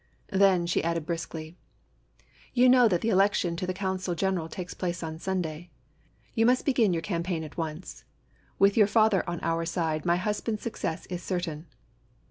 Then, she added, briskly : "You know that the election to the Council General takes place on Sunday. You must begin your campaign at once. With your father on our side, my husband's success is certain."